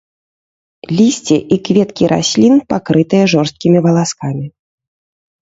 Лісце і кветкі раслін пакрытыя жорсткім валаскамі.